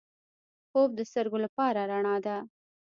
خوب د سترګو لپاره رڼا ده